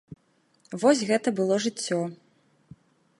Вось гэта было жыццё!